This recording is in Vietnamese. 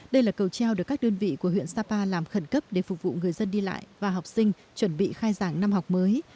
đây là cầu treo được các đơn vị của huyện sapa làm khẩn cấp để phục vụ người dân đi lại và học sinh chuẩn bị khai giảng năm học mới